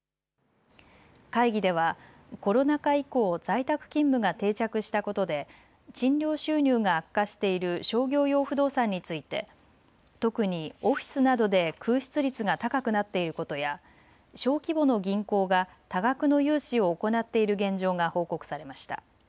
会議ではコロナ禍以降、在宅勤務が定着したことで賃料収入が悪化している商業用不動産について特にオフィスなどで空室率が高くなっていることや小規模の銀行が多額の融資を行っている現状が報告されました。